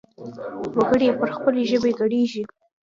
وګړي يې پر خپلې ژبې ګړيږي.